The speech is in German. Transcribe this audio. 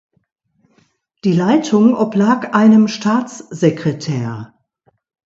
Die Leitung oblag einem Staatssekretär.